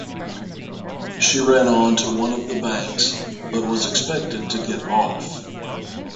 She ran on to one of the banks but was expected to get off.